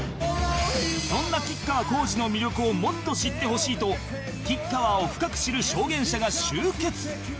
そんな吉川晃司の魅力をもっと知ってほしいと吉川を深く知る証言者が集結